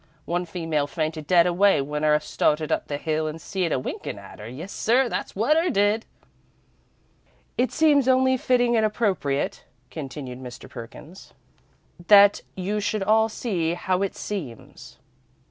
One female fainted dead away when 'er started up the hill and see it a winkin' at 'er, yes sir, that's wot 'er did!" "'It seems only fitting and appropriate,'" continued Mr. Perkins, "'that you should all see how it seems.'"